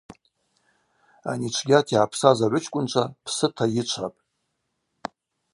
Ани чвгьата йгӏапсаз агӏвычкӏвынчва псыта йычвапӏ.